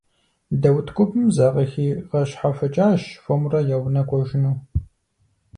Даут гупым закъыхигъэщхьэхукӀащ, хуэмурэ я унэ кӀуэжыну.